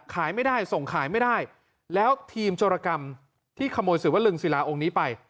ขายไม่ได้ส่งขายไม่ได้แล้วทีมโจรกรรมที่ขโมยศิวลึงศิลาองค์นี้ไป